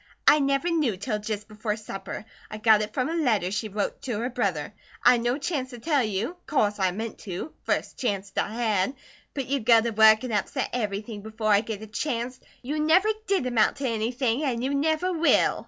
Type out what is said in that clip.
"I never knew till jist before supper. I got it frum a letter she wrote to her brother. I'd no chanct to tell you. Course I meant to, first chanct I had; but you go to work an upset everything before I get a chanct. You never did amount to anything, an' you never will."